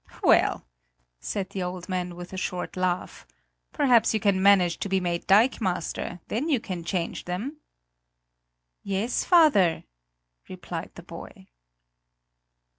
"Well," said the old man with a short laugh, "perhaps you can manage to be made dikemaster; then you can change them." "Yes, father," replied the boy.